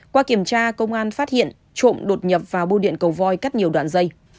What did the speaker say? qua kiểm tra công an phát hiện trộm đột nhập vào bưu điện cầu voi cắt nhiều đoạn dây